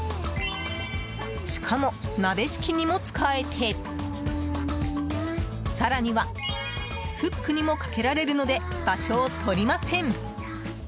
しかも、鍋敷きにも使えて更にはフックにもかけられるので場所をとりません。